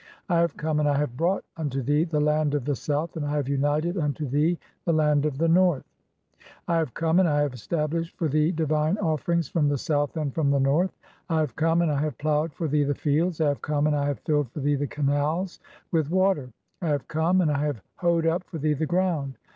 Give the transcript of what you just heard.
(14) "I have come, and I have brought unto thee the land of "the South, and I have united unto thee the land of the North. 322 THE CHAPTERS OF COMING FORTH BY DAY. (15) "I have come, and I have stablished for thee divine of ferings from the South and from the North. (16) "I have come, and I have ploughed 1 for thee the fields. (17) "I have come, and I have filled for thee the canals with "water. (18) "I have come, and I have hoed up for thee the ground.